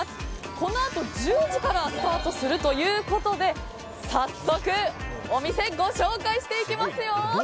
このあと１０時からスタートするということで早速、お店ご紹介していきますよ。